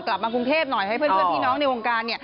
กลับมากรุงเทพหน่อยให้เพื่อนพี่น้องในวงการ